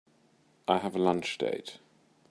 I have a lunch date.